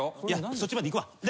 そっちまで行くわ。